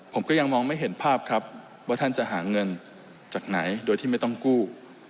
ผมก็ยังมองไม่เห็นภาพครับว่าท่านจะหาเงินจากไหนโดยที่ไม่ต้องกู้